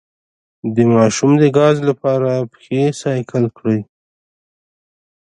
د ماشوم د ګاز لپاره پښې سایکل کړئ